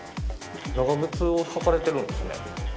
長靴を履かれてるんですね。